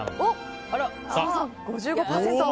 設楽さん、５５％。